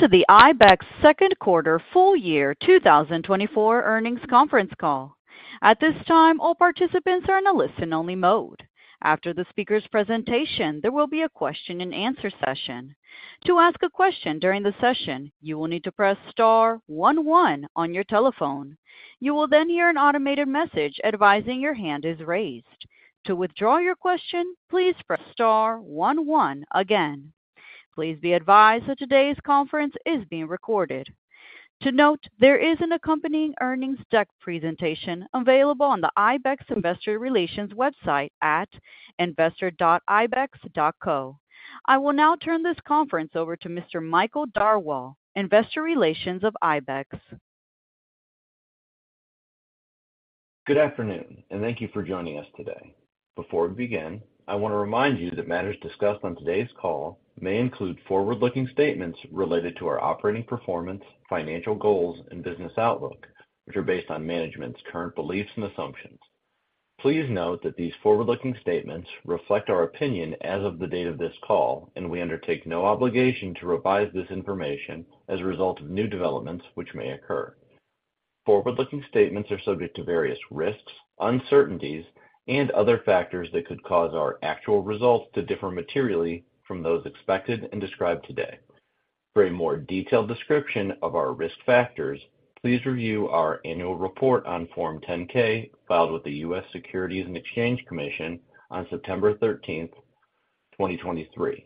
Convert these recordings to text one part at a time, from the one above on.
Welcome to the IBEX Second Quarter Full Year 2024 Earnings Conference Call. At this time, all participants are in a listen-only mode. After the speaker's presentation, there will be a question-and-answer session. To ask a question during the session, you will need to press star one one on your telephone. You will then hear an automated message advising your hand is raised. To withdraw your question, please press star one one again. Please be advised that today's conference is being recorded. To note, there is an accompanying earnings deck presentation available on the IBEX Investor Relations website at investor.ibex.co. I will now turn this conference over to Mr. Michael Darwal, Investor Relations of IBEX. Good afternoon, and thank you for joining us today. Before we begin, I want to remind you that matters discussed on today's call may include forward-looking statements related to our operating performance, financial goals, and business outlook, which are based on management's current beliefs and assumptions. Please note that these forward-looking statements reflect our opinion as of the date of this call, and we undertake no obligation to revise this information as a result of new developments which may occur. Forward-looking statements are subject to various risks, uncertainties, and other factors that could cause our actual results to differ materially from those expected and described today. For a more detailed description of our risk factors, please review our annual report on Form 10-K filed with the U.S. Securities and Exchange Commission on September 13th, 2023.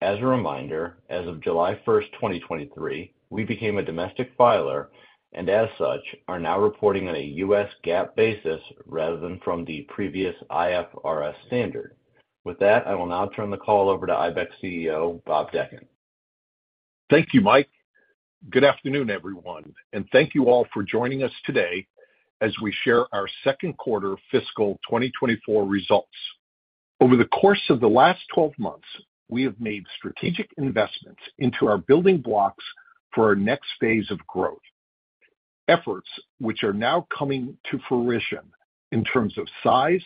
As a reminder, as of July 1st, 2023, we became a domestic filer and, as such, are now reporting on a U.S. GAAP basis rather than from the previous IFRS standard. With that, I will now turn the call over to IBEX CEO Bob Dechant. Thank you, Mike. Good afternoon, everyone, and thank you all for joining us today as we share our second quarter fiscal 2024 results. Over the course of the last 12 months, we have made strategic investments into our building blocks for our next phase of growth, efforts which are now coming to fruition in terms of size,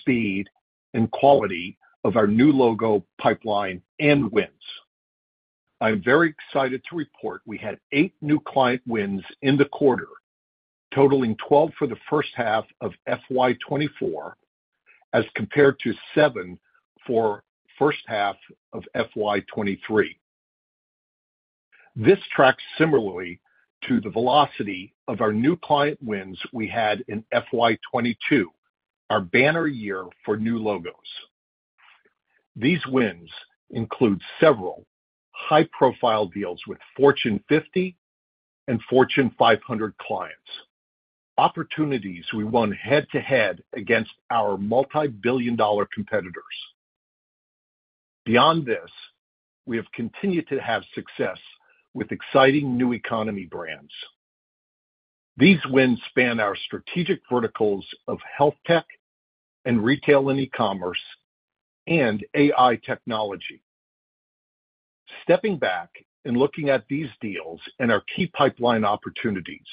speed, and quality of our new logo pipeline and wins. I'm very excited to report we had eight new client wins in the quarter, totaling 12 for the first half of FY 2024 as compared to seven for first half of FY 2023. This tracks similarly to the velocity of our new client wins we had in FY 2022, our banner year for new logos. These wins include several high-profile deals with Fortune 50 and Fortune 500 clients, opportunities we won head-to-head against our multi-billion-dollar competitors. Beyond this, we have continued to have success with exciting new economy brands. These wins span our strategic verticals of health tech and retail and e-commerce and AI technology. Stepping back and looking at these deals and our key pipeline opportunities,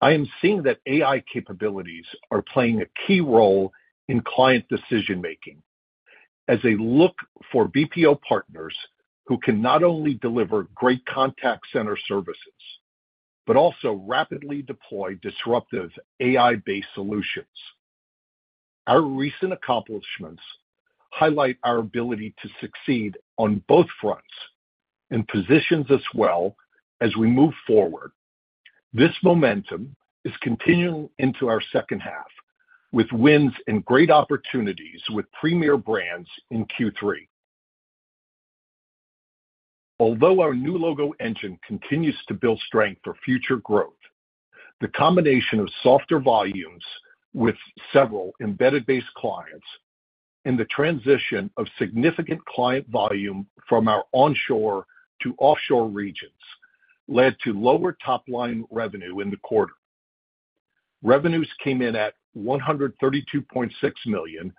I am seeing that AI capabilities are playing a key role in client decision-making as they look for BPO partners who can not only deliver great contact center services but also rapidly deploy disruptive AI-based solutions. Our recent accomplishments highlight our ability to succeed on both fronts and positions us well as we move forward. This momentum is continuing into our second half with wins and great opportunities with premier brands in Q3. Although our new logo engine continues to build strength for future growth, the combination of softer volumes with several embedded-based clients and the transition of significant client volume from our onshore to offshore regions led to lower top-line revenue in the quarter. Revenues came in at $132.6 million,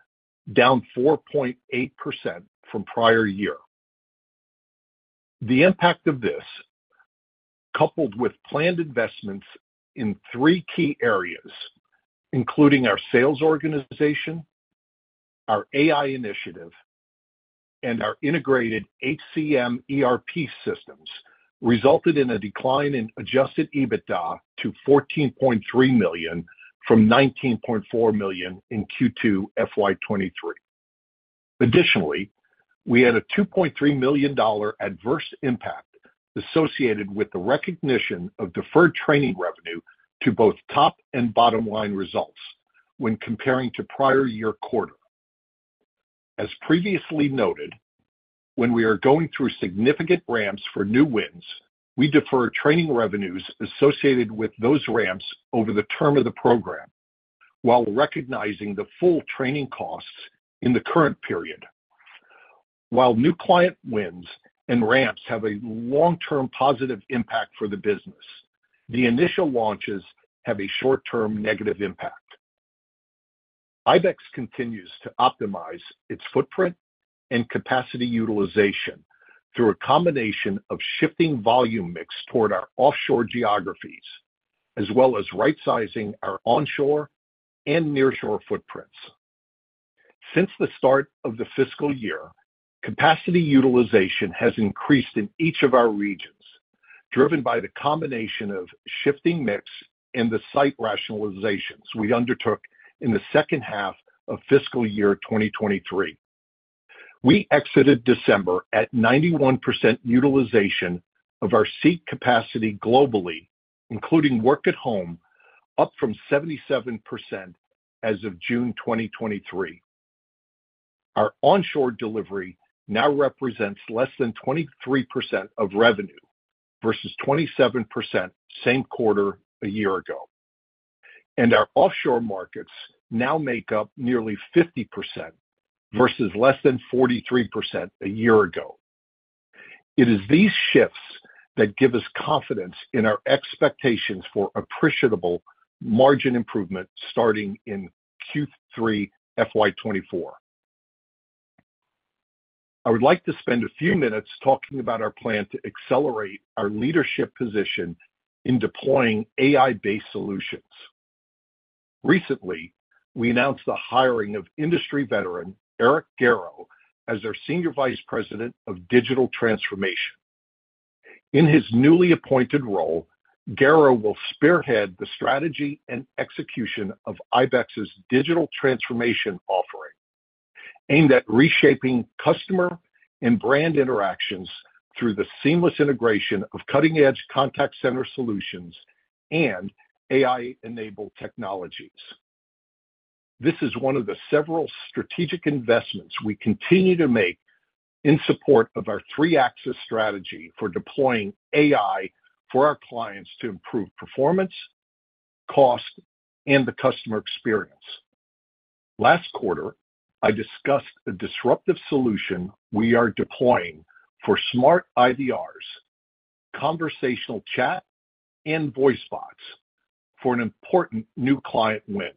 down 4.8% from prior year. The impact of this, coupled with planned investments in three key areas including our sales organization, our AI initiative, and our integrated HCM ERP systems, resulted in a decline in Adjusted EBITDA to $14.3 million from $19.4 million in Q2 FY 2023. Additionally, we had a $2.3 million adverse impact associated with the recognition of deferred training revenue to both top and bottom-line results when comparing to prior year quarter. As previously noted, when we are going through significant ramps for new wins, we defer training revenues associated with those ramps over the term of the program while recognizing the full training costs in the current period. While new client wins and ramps have a long-term positive impact for the business, the initial launches have a short-term negative impact. IBEX continues to optimize its footprint and capacity utilization through a combination of shifting volume mix toward our offshore geographies as well as right-sizing our onshore and nearshore footprints. Since the start of the fiscal year, capacity utilization has increased in each of our regions, driven by the combination of shifting mix and the site rationalizations we undertook in the second half of fiscal year 2023. We exited December at 91% utilization of our seat capacity globally, including work at home, up from 77% as of June 2023. Our onshore delivery now represents less than 23% of revenue versus 27% same quarter a year ago, and our offshore markets now make up nearly 50% versus less than 43% a year ago. It is these shifts that give us confidence in our expectations for appreciable margin improvement starting in Q3 FY 2024. I would like to spend a few minutes talking about our plan to accelerate our leadership position in deploying AI-based solutions. Recently, we announced the hiring of industry veteran Eric Guarro as our Senior Vice President of Digital Transformation. In his newly appointed role, Guarro will spearhead the strategy and execution of IBEX's digital transformation offering aimed at reshaping customer and brand interactions through the seamless integration of cutting-edge contact center solutions and AI-enabled technologies. This is one of the several strategic investments we continue to make in support of our three-axis strategy for deploying AI for our clients to improve performance, cost, and the customer experience. Last quarter, I discussed a disruptive solution we are deploying for smart IVRs, conversational chat, and voice bots for an important new client win.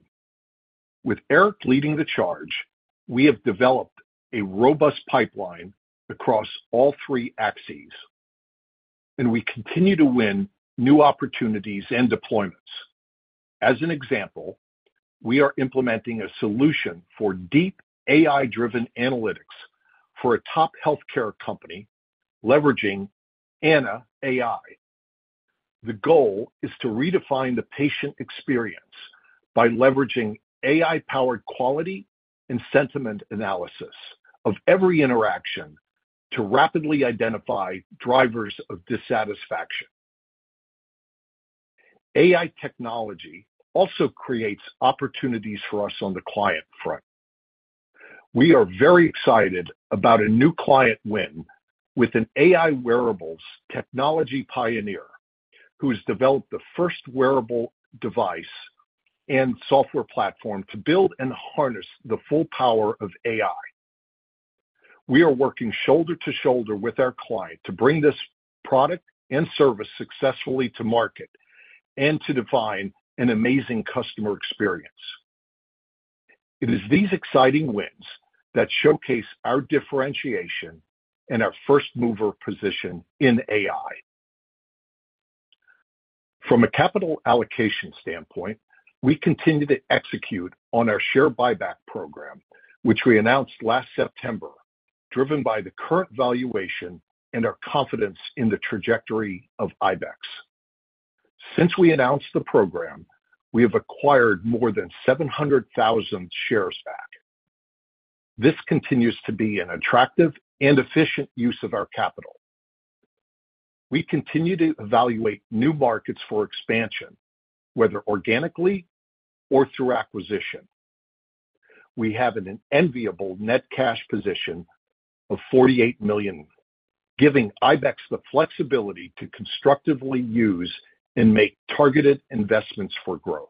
With Eric leading the charge, we have developed a robust pipeline across all three axes, and we continue to win new opportunities and deployments. As an example, we are implementing a solution for deep AI-driven analytics for a top healthcare company leveraging Anna AI. The goal is to redefine the patient experience by leveraging AI-powered quality and sentiment analysis of every interaction to rapidly identify drivers of dissatisfaction. AI technology also creates opportunities for us on the client front. We are very excited about a new client win with an AI wearables technology pioneer who has developed the first wearable device and software platform to build and harness the full power of AI. We are working shoulder to shoulder with our client to bring this product and service successfully to market and to define an amazing customer experience. It is these exciting wins that showcase our differentiation and our first-mover position in AI. From a capital allocation standpoint, we continue to execute on our share buyback program, which we announced last September, driven by the current valuation and our confidence in the trajectory of IBEX. Since we announced the program, we have acquired more than 700,000 shares back. This continues to be an attractive and efficient use of our capital. We continue to evaluate new markets for expansion, whether organically or through acquisition. We have an enviable net cash position of $48 million, giving IBEX the flexibility to constructively use and make targeted investments for growth.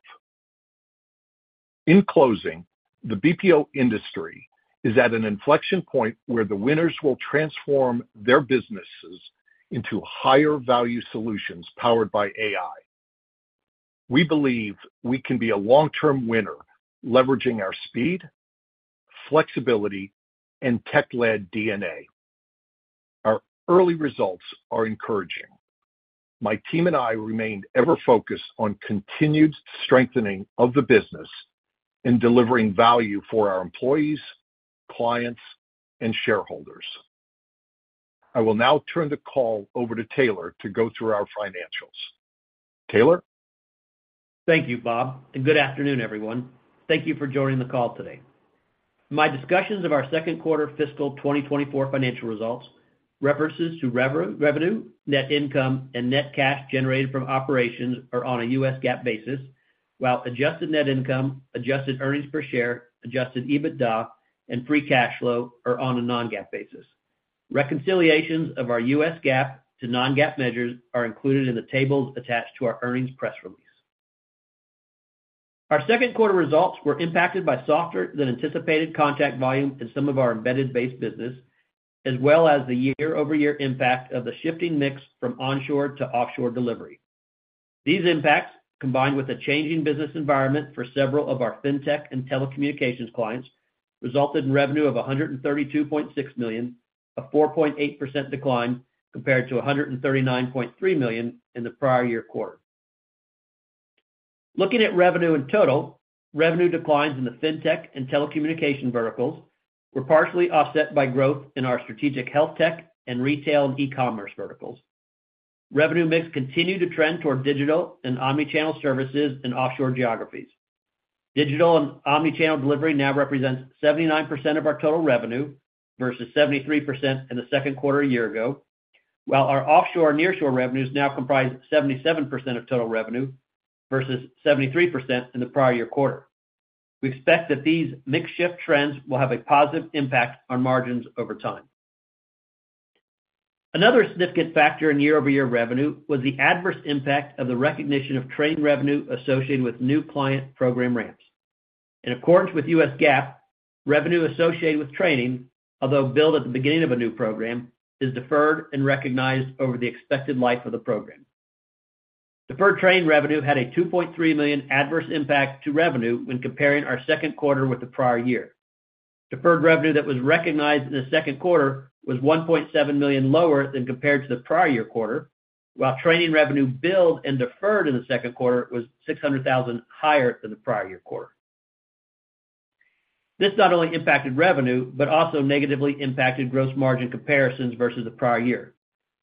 In closing, the BPO industry is at an inflection point where the winners will transform their businesses into higher-value solutions powered by AI. We believe we can be a long-term winner leveraging our speed, flexibility, and tech-led DNA. Our early results are encouraging. My team and I remain ever focused on continued strengthening of the business and delivering value for our employees, clients, and shareholders. I will now turn the call over to Taylor to go through our financials. Taylor? Thank you, Bob, and good afternoon, everyone. Thank you for joining the call today. My discussions of our second quarter fiscal 2024 financial results, references to revenue, net income, and net cash generated from operations are on a U.S. GAAP basis, while adjusted net income, adjusted earnings per share, Adjusted EBITDA, and free cash flow are on a non-GAAP basis. Reconciliations of our U.S. GAAP to non-GAAP measures are included in the tables attached to our earnings press release. Our second quarter results were impacted by softer-than-anticipated contact volume in some of our embedded-based business as well as the year-over-year impact of the shifting mix from onshore to offshore delivery. These impacts, combined with a changing business environment for several of our fintech and telecommunications clients, resulted in revenue of $132.6 million, a 4.8% decline compared to $139.3 million in the prior year quarter. Looking at revenue in total, revenue declines in the fintech and telecommunication verticals were partially offset by growth in our strategic health tech and retail and e-commerce verticals. Revenue mix continued to trend toward digital and omnichannel services in offshore geographies. Digital and omnichannel delivery now represents 79% of our total revenue versus 73% in the second quarter a year ago, while our offshore and nearshore revenues now comprise 77% of total revenue versus 73% in the prior year quarter. We expect that these mix-shift trends will have a positive impact on margins over time. Another significant factor in year-over-year revenue was the adverse impact of the recognition of training revenue associated with new client program ramps. In accordance with U.S. GAAP, revenue associated with training, although billed at the beginning of a new program, is deferred and recognized over the expected life of the program. Deferred training revenue had a $2.3 million adverse impact to revenue when comparing our second quarter with the prior year. Deferred revenue that was recognized in the second quarter was $1.7 million lower than compared to the prior year quarter, while training revenue billed and deferred in the second quarter was $600,000 higher than the prior year quarter. This not only impacted revenue but also negatively impacted gross margin comparisons versus the prior year.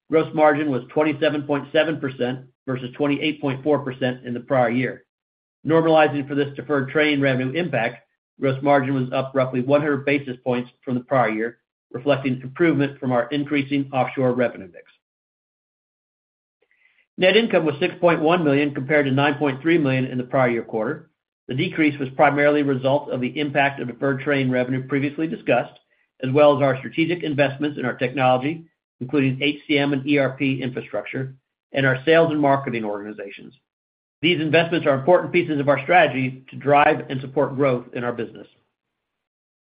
Gross margin was 27.7% versus 28.4% in the prior year. Normalizing for this deferred training revenue impact, gross margin was up roughly 100 basis points from the prior year, reflecting improvement from our increasing offshore revenue mix. Net income was $6.1 million compared to $9.3 million in the prior year quarter. The decrease was primarily a result of the impact of deferred training revenue previously discussed, as well as our strategic investments in our technology, including HCM and ERP infrastructure, and our sales and marketing organizations. These investments are important pieces of our strategy to drive and support growth in our business.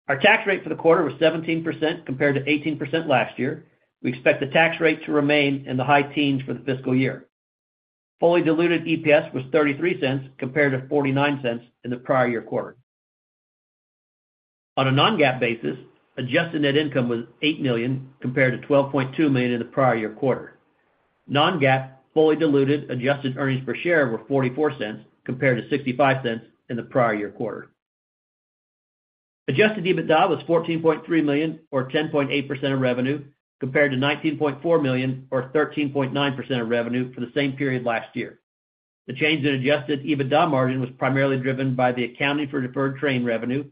Our tax rate for the quarter was 17% compared to 18% last year. We expect the tax rate to remain in the high teens for the fiscal year. Fully diluted EPS was $0.33 compared to $0.49 in the prior year quarter. On a non-GAAP basis, adjusted net income was $8 million compared to $12.2 million in the prior year quarter. Non-GAAP, fully diluted adjusted earnings per share were $0.44 compared to $0.65 in the prior year quarter. Adjusted EBITDA was $14.3 million, or 10.8% of revenue, compared to $19.4 million, or 13.9% of revenue for the same period last year. The change in Adjusted EBITDA margin was primarily driven by the accounting for deferred training revenue,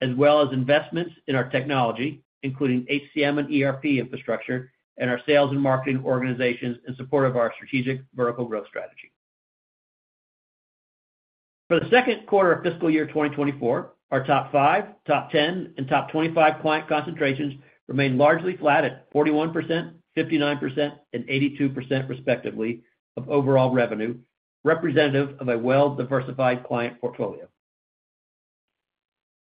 as well as investments in our technology, including HCM and ERP infrastructure, and our sales and marketing organizations in support of our strategic vertical growth strategy. For the second quarter of fiscal year 2024, our top five, top 10, and top 25 client concentrations remain largely flat at 41%, 59%, and 82% respectively of overall revenue, representative of a well-diversified client portfolio.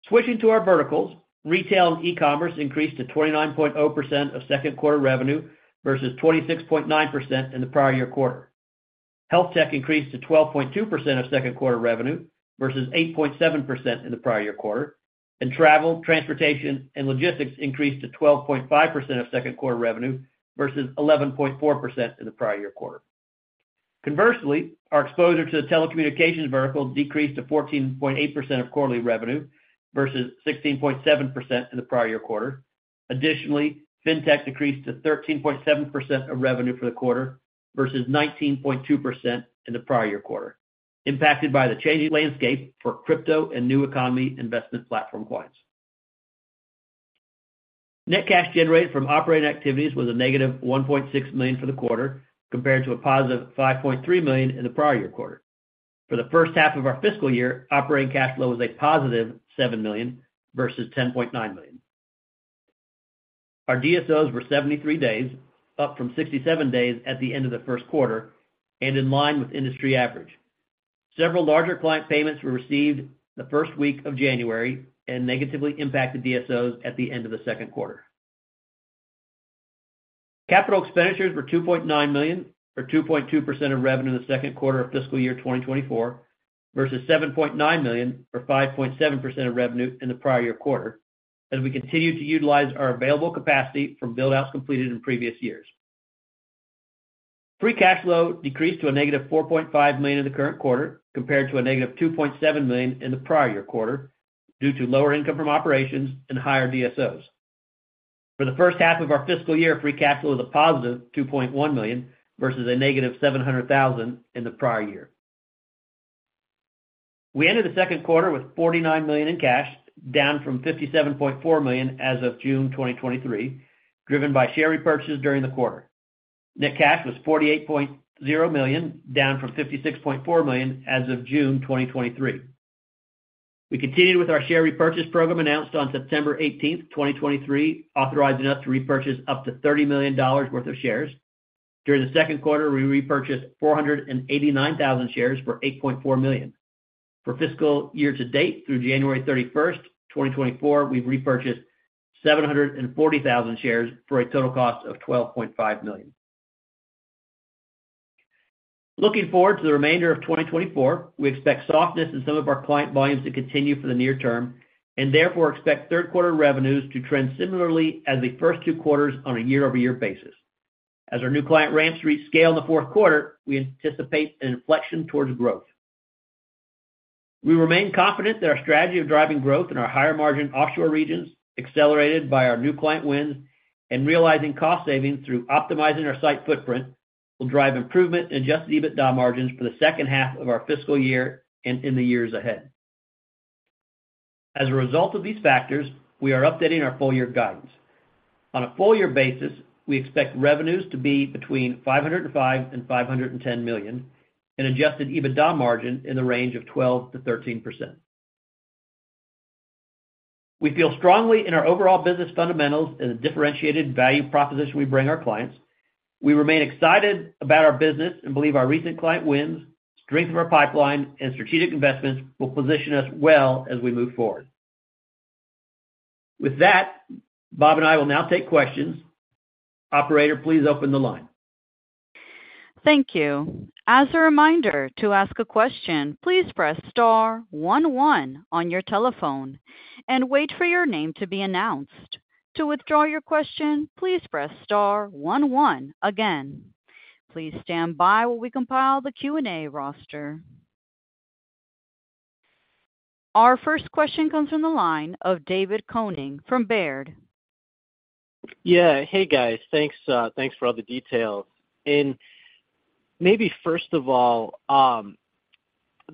Switching to our verticals, retail and e-commerce increased to 29.0% of second quarter revenue versus 26.9% in the prior year quarter. Health tech increased to 12.2% of second quarter revenue versus 8.7% in the prior year quarter, and travel, transportation, and logistics increased to 12.5% of second quarter revenue versus 11.4% in the prior year quarter. Conversely, our exposure to the telecommunications vertical decreased to 14.8% of quarterly revenue versus 16.7% in the prior year quarter. Additionally, fintech decreased to 13.7% of revenue for the quarter versus 19.2% in the prior year quarter, impacted by the changing landscape for crypto and new economy investment platform clients. Net cash generated from operating activities was a negative $1.6 million for the quarter compared to a positive $5.3 million in the prior year quarter. For the first half of our fiscal year, operating cash flow was a positive $7 million versus $10.9 million. Our DSOs were 73 days, up from 67 days at the end of the first quarter and in line with industry average. Several larger client payments were received the first week of January and negatively impacted DSOs at the end of the second quarter. Capital expenditures were $2.9 million, or 2.2% of revenue in the second quarter of fiscal year 2024, versus $7.9 million, or 5.7% of revenue in the prior year quarter, as we continue to utilize our available capacity from buildouts completed in previous years. Free cash flow decreased to a -$4.5 million in the current quarter compared to a -$2.7 million in the prior year quarter due to lower income from operations and higher DSOs. For the first half of our fiscal year, free cash flow was a positive $2.1 million versus a -$700,000 in the prior year. We ended the second quarter with $49 million in cash, down from $57.4 million as of June 2023, driven by share repurchase during the quarter. Net cash was $48.0 million, down from $56.4 million as of June 2023. We continued with our share repurchase program announced on September 18th, 2023, authorizing us to repurchase up to $30 million worth of shares. During the second quarter, we repurchased 489,000 shares for $8.4 million. For fiscal year to date, through January 31st, 2024, we've repurchased 740,000 shares for a total cost of $12.5 million. Looking forward to the remainder of 2024, we expect softness in some of our client volumes to continue for the near term and therefore expect third quarter revenues to trend similarly as the first two quarters on a year-over-year basis. As our new client ramps scale in the fourth quarter, we anticipate an inflection towards growth. We remain confident that our strategy of driving growth in our higher-margin offshore regions, accelerated by our new client wins and realizing cost savings through optimizing our site footprint, will drive improvement in Adjusted EBITDA margins for the second half of our fiscal year and in the years ahead. As a result of these factors, we are updating our full year guidance. On a full year basis, we expect revenues to be between $505 million and $510 million, an Adjusted EBITDA margin in the range of 12%-13%. We feel strongly in our overall business fundamentals and the differentiated value proposition we bring our clients. We remain excited about our business and believe our recent client wins, strength of our pipeline, and strategic investments will position us well as we move forward. With that, Bob and I will now take questions. Operator, please open the line. Thank you. As a reminder to ask a question, please press star 11 on your telephone and wait for your name to be announced. To withdraw your question, please press star one one again. Please stand by while we compile the Q&A roster. Our first question comes from the line of David Koning from Baird. Yeah, hey guys. Thanks for all the details. And maybe first of all,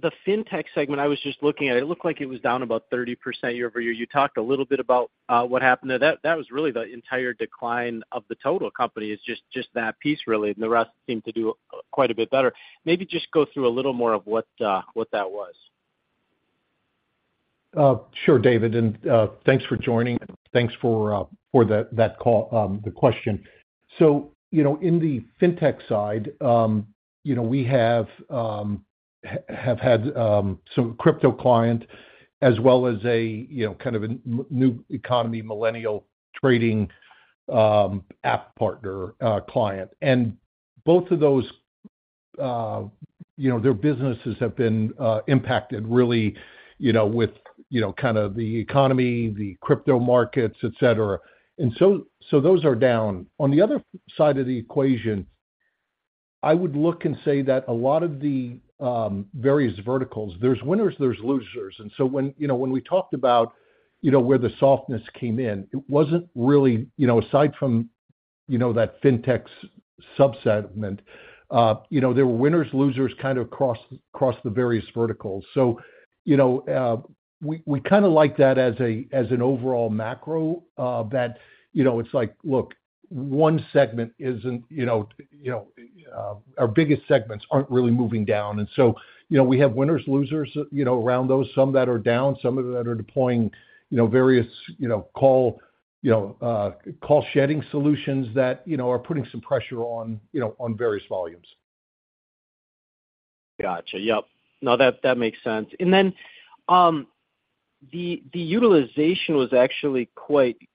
the fintech segment I was just looking at, it looked like it was down about 30% year-over-year. You talked a little bit about what happened there. That was really the entire decline of the total company, is just that piece really, and the rest seemed to do quite a bit better. Maybe just go through a little more of what that was. Sure, David. And thanks for joining, and thanks for that question. So in the fintech side, we have had some crypto clients as well as kind of a new economy millennial trading app partner client. And both of those, their businesses have been impacted really with kind of the economy, the crypto markets, etc. And so those are down. On the other side of the equation, I would look and say that a lot of the various verticals, there's winners, there's losers. And so when we talked about where the softness came in, it wasn't really aside from that fintech subsegment, there were winners, losers kind of across the various verticals. So we kind of like that as an overall macro that it's like, look, one segment isn't, our biggest segments aren't really moving down. And so we have winners, losers around those, some that are down, some that are deploying various call shedding solutions that are putting some pressure on various volumes. Gotcha. Yep. No, that makes sense. And then the utilization was actually quite good,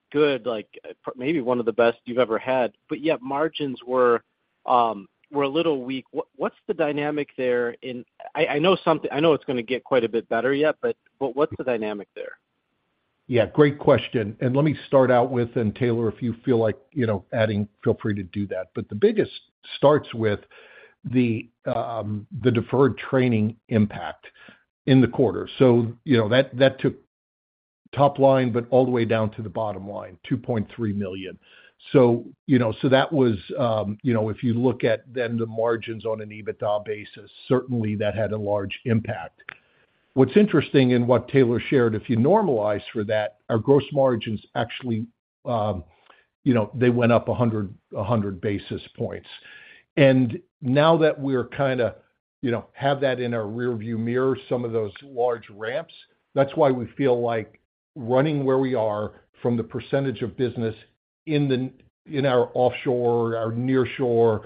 maybe one of the best you've ever had, but yet margins were a little weak. What's the dynamic there? And I know it's going to get quite a bit better yet, but what's the dynamic there? Yeah, great question. And let me start out with and Taylor if you feel like adding, feel free to do that. But the biggest starts with the deferred training impact in the quarter. So that took top line, but all the way down to the bottom line, $2.3 million. So that was if you look at then the margins on an EBITDA basis, certainly that had a large impact. What's interesting in what Taylor shared, if you normalize for that, our gross margins actually, they went up 100 basis points. And now that we're kind of have that in our rearview mirror, some of those large ramps, that's why we feel like running where we are from the percentage of business in our offshore, our nearshore,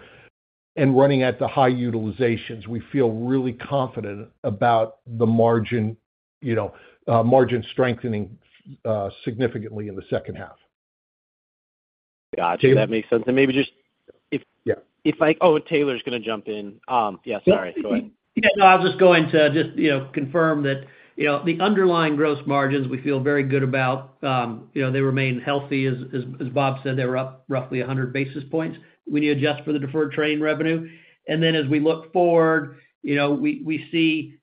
and running at the high utilizations, we feel really confident about the margin strengthening significantly in the second half. Gotcha. That makes sense. And maybe just if, oh, and Taylor's going to jump in. Yeah, sorry. Go ahead. Yeah, no, I was just going to just confirm that the underlying gross margins, we feel very good about. They remain healthy. As Bob said, they were up roughly 100 basis points when you adjust for the deferred training revenue. And then as we look forward, we see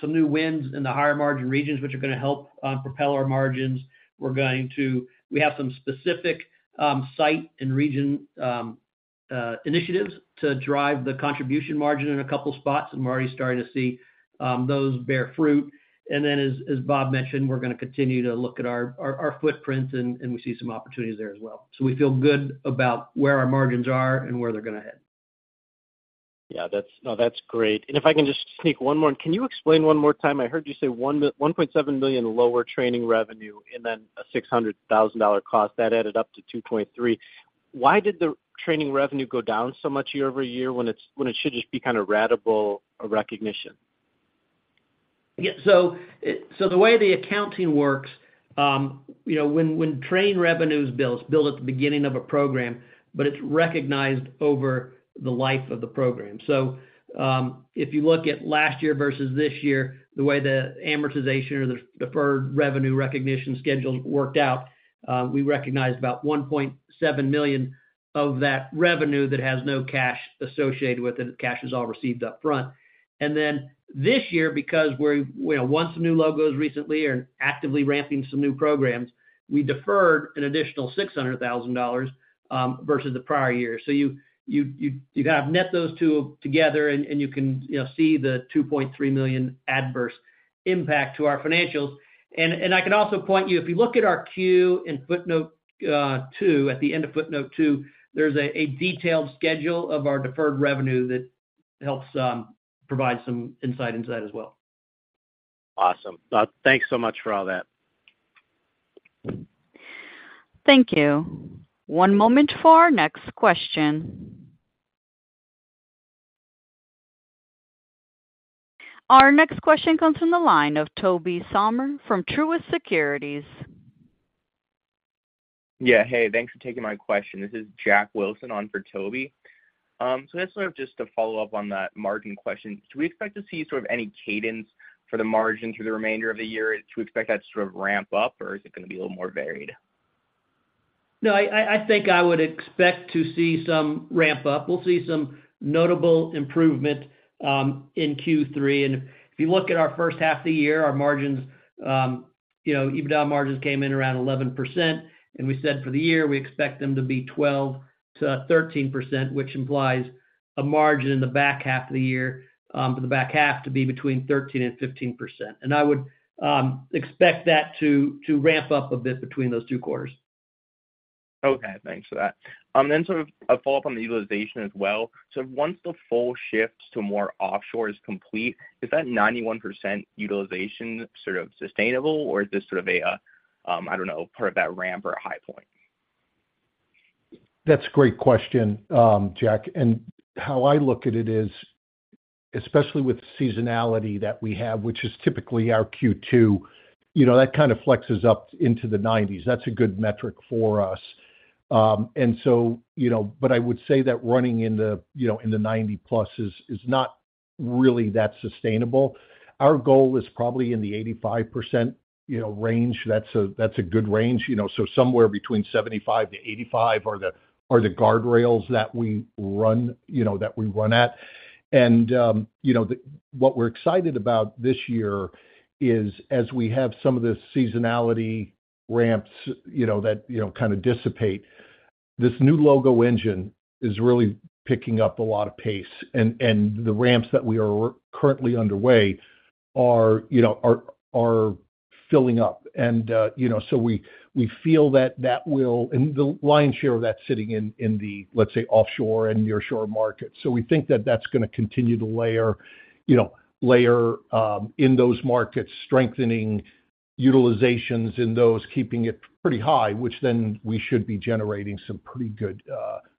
some new wins in the higher margin regions, which are going to help propel our margins. We have some specific site and region initiatives to drive the contribution margin in a couple of spots, and we're already starting to see those bear fruit. And then as Bob mentioned, we're going to continue to look at our footprint, and we see some opportunities there as well. So we feel good about where our margins are and where they're going to head. Yeah, no, that's great. And if I can just sneak one more, can you explain one more time? I heard you say $1.7 million lower training revenue and then a $600,000 cost. That added up to $2.3 million. Why did the training revenue go down so much year-over-year when it should just be kind of ratable recognition? Yeah. So the way the accounting works, when training revenue is billed at the beginning of a program, but it's recognized over the life of the program. So if you look at last year versus this year, the way the amortization or the deferred revenue recognition schedule worked out, we recognized about $1.7 million of that revenue that has no cash associated with it. Cash is all received upfront. And then this year, because we won a new logo recently and actively ramping some new programs, we deferred an additional $600,000 versus the prior year. So you kind of net those two together, and you can see the $2.3 million adverse impact to our financials. I can also point you, if you look at our Q and footnote 2, at the end of footnote 2, there's a detailed schedule of our deferred revenue that helps provide some insight into that as well. Awesome. Thanks so much for all that. Thank you. One moment for our next question. Our next question comes from the line of Tobey Sommer from Truist Securities. Yeah, hey, thanks for taking my question. This is Jack Wilson on for Tobey. So that's sort of just to follow up on that margin question. Do we expect to see sort of any cadence for the margin through the remainder of the year? Do we expect that to sort of ramp up, or is it going to be a little more varied? No, I think I would expect to see some ramp up. We'll see some notable improvement in Q3. And if you look at our first half of the year, our margins, EBITDA margins came in around 11%. And we said for the year, we expect them to be 12%-13%, which implies a margin in the back half of the year, for the back half to be between 13%-15%. And I would expect that to ramp up a bit between those two quarters. Okay, thanks for that. And then sort of a follow-up on the utilization as well. So once the full shift to more offshore is complete, is that 91% utilization sort of sustainable, or is this sort of a, I don't know, part of that ramp or a high point? That's a great question, Jack. And how I look at it is, especially with seasonality that we have, which is typically our Q2, that kind of flexes up into the 90%s. That's a good metric for us. And so, but I would say that running in the 90%+ is not really that sustainable. Our goal is probably in the 85% range. That's a good range. So somewhere between 75%-85% are the guardrails that we run at. And what we're excited about this year is, as we have some of the seasonality ramps that kind of dissipate, this new logo engine is really picking up a lot of pace. And the ramps that we are currently underway are filling up. And so we feel that that will, and the lion's share of that sitting in the, let's say, offshore and nearshore markets. We think that that's going to continue to layer in those markets, strengthening utilizations in those, keeping it pretty high, which then we should be generating some pretty good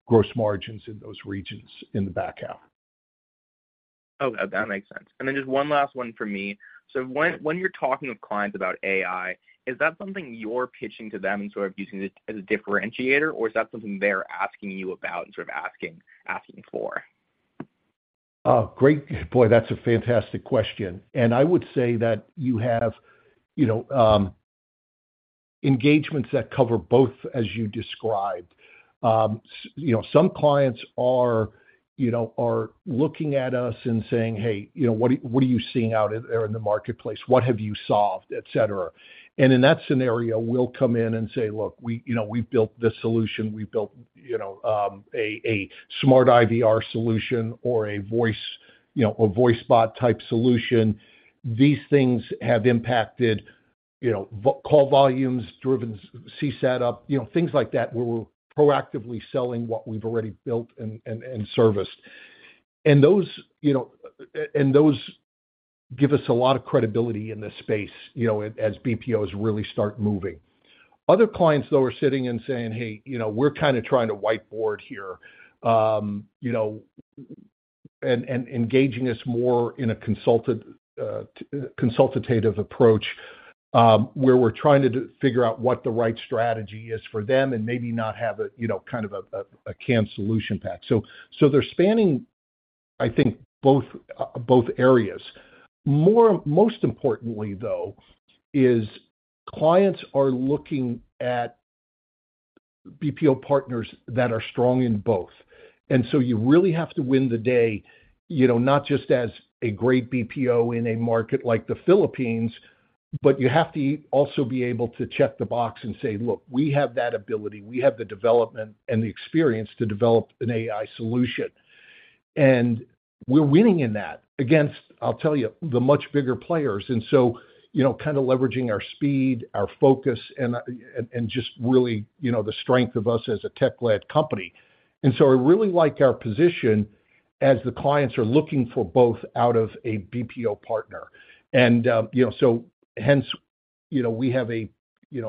gross margins in those regions in the back half. Okay, that makes sense. Then just one last one for me. When you're talking with clients about AI, is that something you're pitching to them and sort of using it as a differentiator, or is that something they're asking you about and sort of asking for? Oh, great. Boy, that's a fantastic question. And I would say that you have engagements that cover both, as you described. Some clients are looking at us and saying, "Hey, what are you seeing out there in the marketplace? What have you solved, etc.?" And in that scenario, we'll come in and say, "Look, we've built this solution. We've built a smart IVR solution or a voice bot type solution." These things have impacted call volumes, driven CSAT up, things like that where we're proactively selling what we've already built and serviced. And those give us a lot of credibility in this space as BPOs really start moving. Other clients, though, are sitting and saying, "Hey, we're kind of trying to whiteboard here and engaging us more in a consultative approach where we're trying to figure out what the right strategy is for them and maybe not have a kind of a canned solution pack." So they're spanning, I think, both areas. Most importantly, though, is clients are looking at BPO partners that are strong in both. And so you really have to win the day, not just as a great BPO in a market like the Philippines, but you have to also be able to check the box and say, "Look, we have that ability. We have the development and the experience to develop an AI solution." And we're winning in that against, I'll tell you, the much bigger players. Kind of leveraging our speed, our focus, and just really the strength of us as a tech-led company. I really like our position as the clients are looking for both out of a BPO partner. Hence, we have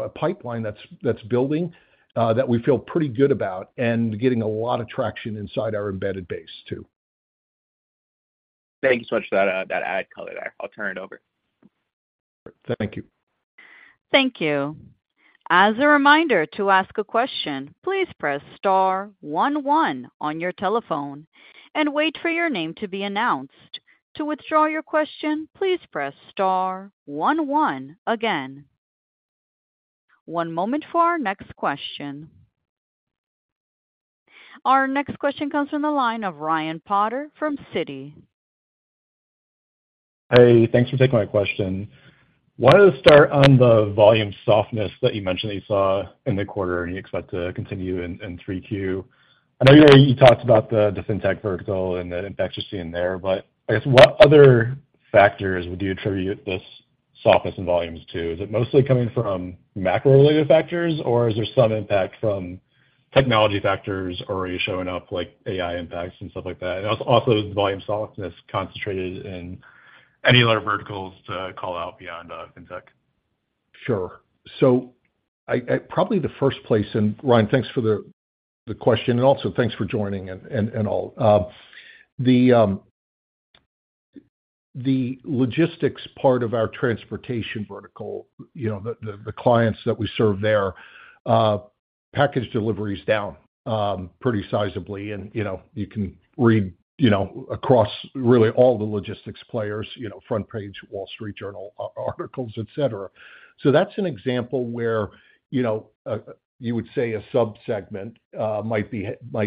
a pipeline that's building that we feel pretty good about and getting a lot of traction inside our embedded base too. Thank you so much for that added color there. I'll turn it over. Thank you. Thank you. As a reminder to ask a question, please press star one one on your telephone and wait for your name to be announced. To withdraw your question, please press star one one again. One moment for our next question. Our next question comes from the line of Ryan Potter from Citi. Hey, thanks for taking my question. Wanted to start on the volume softness that you mentioned that you saw in the quarter, and you expect to continue in 3Q. I know you talked about the FinTech vertical and the inflection in there, but I guess what other factors would you attribute this softness and volumes to? Is it mostly coming from macro-related factors, or is there some impact from technology factors already showing up, like AI impacts and stuff like that? And also the volume softness concentrated in any other verticals to call out beyond FinTech? Sure. So probably the first place, and Ryan, thanks for the question, and also thanks for joining and all. The logistics part of our transportation vertical, the clients that we serve there, package deliveries down pretty sizably. And you can read across really all the logistics players, front page, Wall Street Journal articles, etc. So that's an example where you would say a subsegment might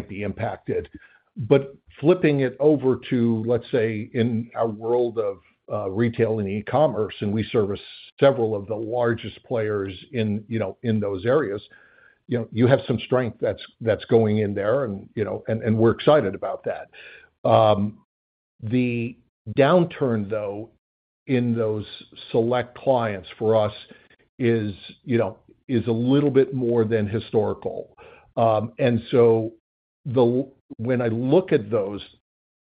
be impacted. But flipping it over to, let's say, in our world of retail and e-commerce, and we service several of the largest players in those areas, you have some strength that's going in there, and we're excited about that. The downturn, though, in those select clients for us is a little bit more than historical. And so when I look at those,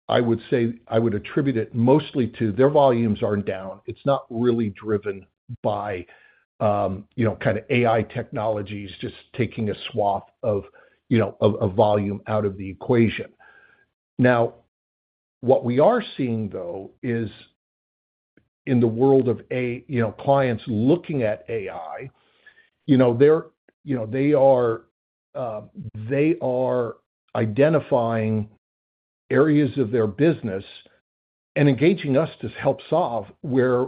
I would say I would attribute it mostly to their volumes aren't down. It's not really driven by kind of AI technologies just taking a swath of volume out of the equation. Now, what we are seeing, though, is in the world of clients looking at AI, they are identifying areas of their business and engaging us to help solve where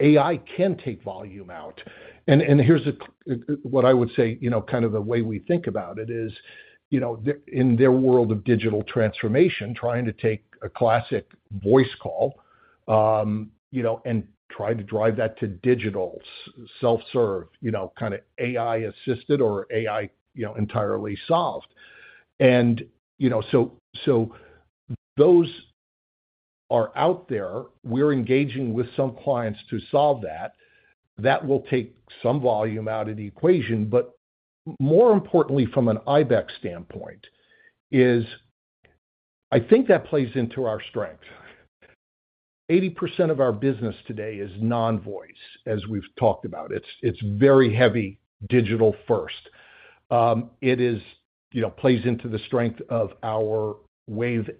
AI can take volume out. And here's what I would say, kind of the way we think about it is, in their world of digital transformation, trying to take a classic voice call and try to drive that to digital, self-serve, kind of AI-assisted or AI entirely solved. And so those are out there. We're engaging with some clients to solve that. That will take some volume out of the equation. But more importantly, from an IBEX standpoint, I think that plays into our strength. 80% of our business today is non-voice, as we've talked about. It's very heavy digital-first. It plays into the strength of our Wave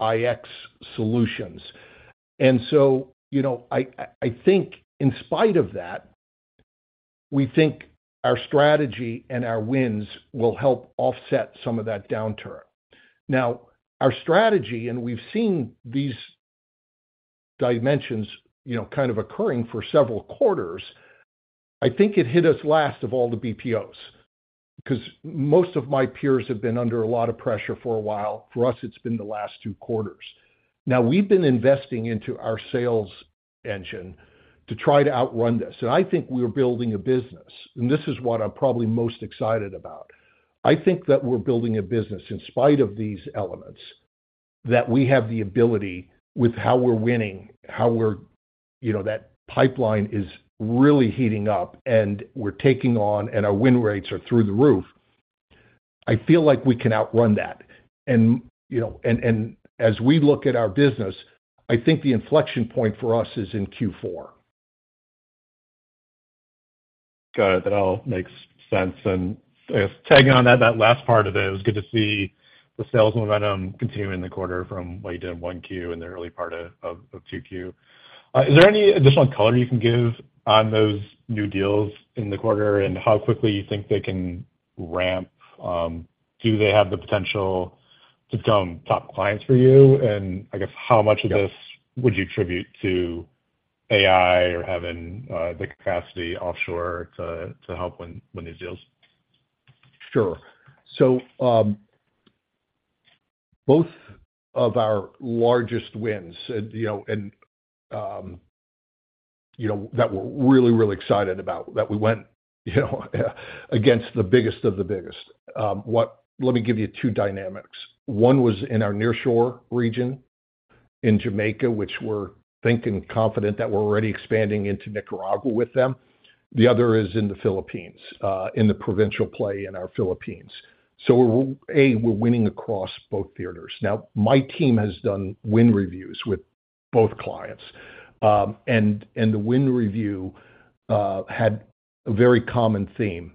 iX solutions. And so I think, in spite of that, we think our strategy and our wins will help offset some of that downturn. Now, our strategy, and we've seen these dimensions kind of occurring for several quarters, I think it hit us last of all the BPOs because most of my peers have been under a lot of pressure for a while. For us, it's been the last two quarters. Now, we've been investing into our sales engine to try to outrun this. And I think we're building a business. And this is what I'm probably most excited about. I think that we're building a business in spite of these elements, that we have the ability with how we're winning, how that pipeline is really heating up, and we're taking on, and our win rates are through the roof. I feel like we can outrun that. As we look at our business, I think the inflection point for us is in Q4. Got it. That all makes sense. And I guess tagging on that, that last part of it, it was good to see the sales momentum continuing in the quarter from what you did in 1Q and the early part of 2Q. Is there any additional color you can give on those new deals in the quarter and how quickly you think they can ramp? Do they have the potential to become top clients for you? And I guess how much of this would you attribute to AI or having the capacity offshore to help win these deals? Sure. So both of our largest wins, and that we're really, really excited about, that we went against the biggest of the biggest. Let me give you two dynamics. One was in our nearshore region in Jamaica, which we're thinking confident that we're already expanding into Nicaragua with them. The other is in the Philippines, in the provincial play in our Philippines. So A, we're winning across both theaters. Now, my team has done win reviews with both clients. And the win review had a very common theme.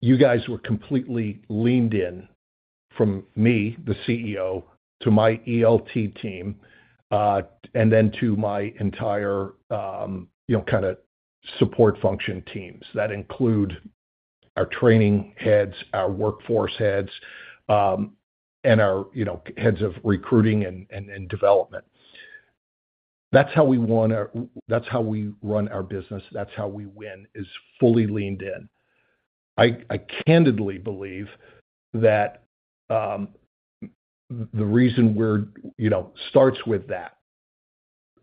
You guys were completely leaned in from me, the CEO, to my ELT team, and then to my entire kind of support function teams that include our training heads, our workforce heads, and our heads of recruiting and development. That's how we run our business. That's how we win, is fully leaned in.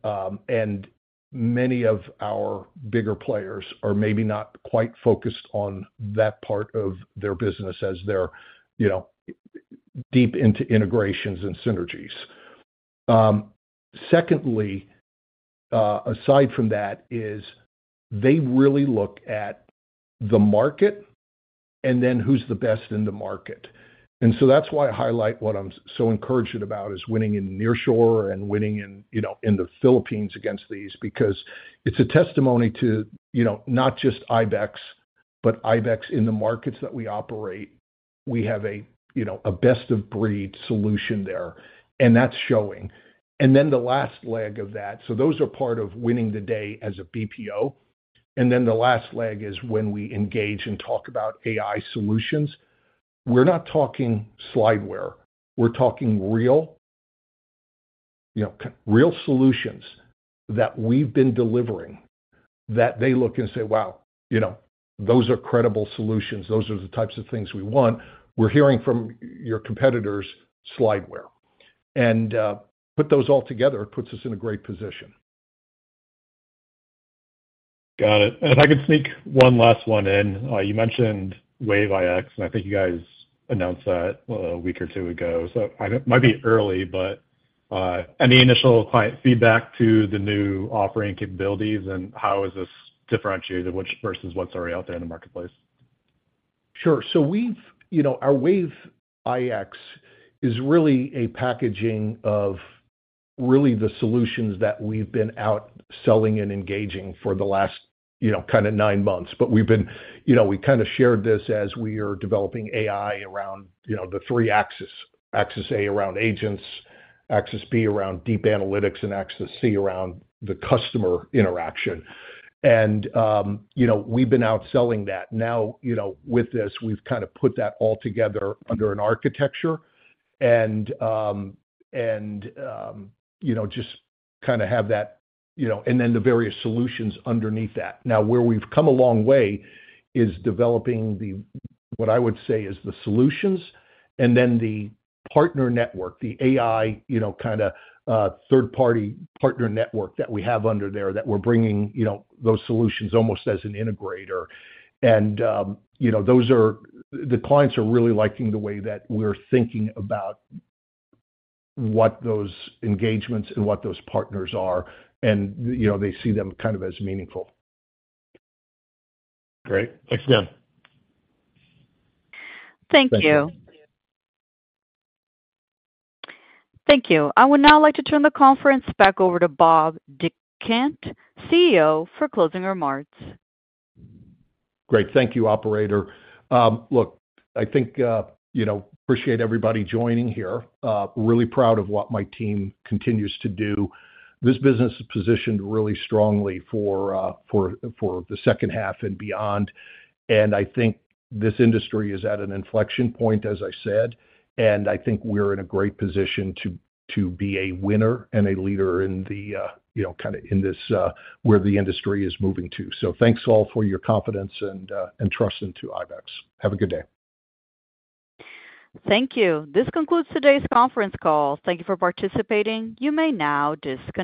I candidly believe that the reason we're starts with that. Many of our bigger players are maybe not quite focused on that part of their business as they're deep into integrations and synergies. Secondly, aside from that, is they really look at the market and then who's the best in the market. And so that's why I highlight what I'm so encouraged about as winning in nearshore and winning in the Philippines against these because it's a testimony to not just IBEX, but IBEX in the markets that we operate; we have a best-of-breed solution there, and that's showing. And then the last leg of that, so those are part of winning the day as a BPO. And then the last leg is when we engage and talk about AI solutions. We're not talking slideware. We're talking real solutions that we've been delivering that they look and say, "Wow, those are credible solutions. Those are the types of things we want. We're hearing from your competitors slideware." And put those all together, it puts us in a great position. Got it. If I could sneak one last one in. You mentioned Wave iX, and I think you guys announced that a week or two ago. It might be early, but any initial client feedback to the new offering capabilities and how is this differentiated versus what's already out there in the marketplace? Sure. So our Wave iX is really a packaging of really the solutions that we've been out selling and engaging for the last kind of nine months. But we've kind of shared this as we are developing AI around the three axes: Axis A around agents, Axis B around deep analytics, and Axis C around the customer interaction. And we've been out selling that. Now, with this, we've kind of put that all together under an architecture and just kind of have that and then the various solutions underneath that. Now, where we've come a long way is developing what I would say is the solutions and then the partner network, the AI kind of third-party partner network that we have under there that we're bringing those solutions almost as an integrator. Those are the clients are really liking the way that we're thinking about what those engagements and what those partners are, and they see them kind of as meaningful. Great. Thanks, again. Thank you. Thank you. I would now like to turn the conference back over to Bob Dechant, CEO, for closing remarks. Great. Thank you, operator. Look, I think appreciate everybody joining here. Really proud of what my team continues to do. This business is positioned really strongly for the second half and beyond. And I think this industry is at an inflection point, as I said. And I think we're in a great position to be a winner and a leader in the kind of in this where the industry is moving to. So thanks all for your confidence and trust into IBEX. Have a good day. Thank you. This concludes today's conference call. Thank you for participating. You may now disconnect.